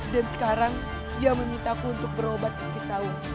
dan sekarang dia memintaku untuk berobat di kisahung